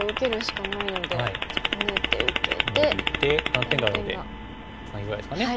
断点があるのでツナギぐらいですかね。